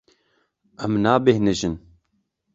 Em nabêhnijin.